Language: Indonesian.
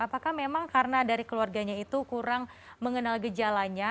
apakah memang karena dari keluarganya itu kurang mengenal gejalanya